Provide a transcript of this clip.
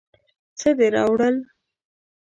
څه دې راوړل.